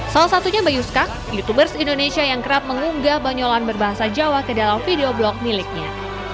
salah satunya mbak yuska youtubers indonesia yang kerap mengunggah banyolan berbahasa jawa ke dalam video blog miliknya